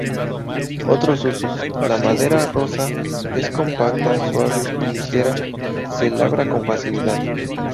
Otros usos: La madera, rosada, es compacta, suave y ligera, se labra con facilidad.